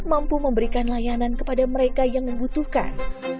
mampu memberikan layanan kepada mereka yang membutuhkan